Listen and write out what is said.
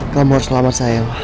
kamu harus selamat sayang